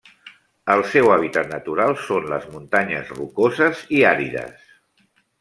El seu hàbitat natural són les muntanyes rocoses i àrides.